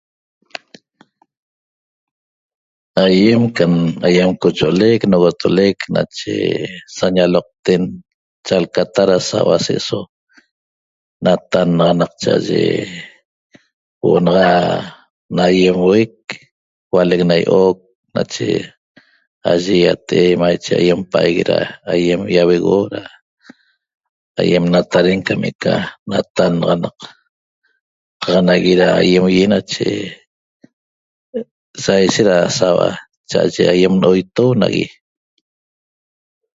Aiem cam aiem qocho'olec nogotolec nache sañaloqten chalcata ra saua' se'eso natannaxanaq cha'aye huo'o naxa na aiem huec hualec na io'oc nache aye iate'e maiche aiem paigue ra aiem iauegueuo ra aiem nataren cam eca natannaxanaq qaq nagui ra aiem ỹi nache saishet ra saua'a cha'aye aiem nooitu nagui